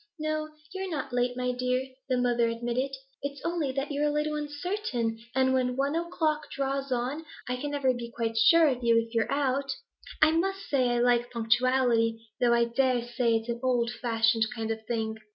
'No, you're not late, my dear,' the mother admitted. 'It's only that you're a little uncertain, and when one o'clock draws on I can never be quite sure of you, if you're out. I must say I like punctuality, though I dare say it's an old fashioned kind of thing.